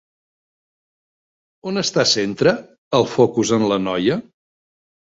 On està centra el focus en la noia?